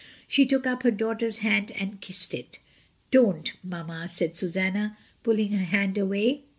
She took up her daughter's hand and kissed it. "Don't, mamma," said Susanna, pulling her hand away.